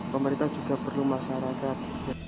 pemerintah juga perlu masyarakat